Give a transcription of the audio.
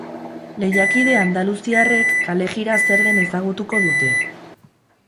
Lehiakide andaluziarrek kalejira zer den ezagutuko dute.